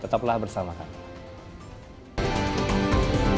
tetaplah bersama kami